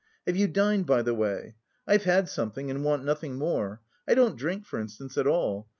"Have you dined, by the way? I've had something and want nothing more. I don't drink, for instance, at all.